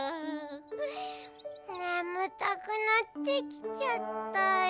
ねむたくなってきちゃったよ。